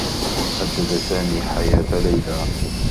هدّد سامي حياة ليلى.